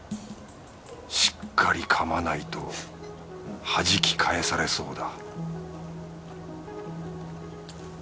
しっかり噛まないとはじき返されそうだ